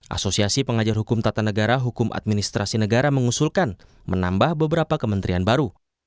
asosiasi pengajar hukum tata negara hukum administrasi negara mengusulkan menambah beberapa kementerian baru